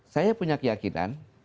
saya punya keyakinan